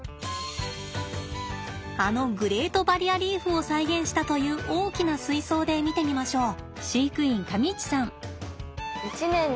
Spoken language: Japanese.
あのグレートバリアリーフを再現したという大きな水槽で見てみましょう。